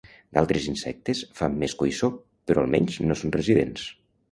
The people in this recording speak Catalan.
D'altres insectes, fan més coïssor, però almenys no són residents